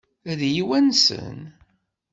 Ad iyi-wansen?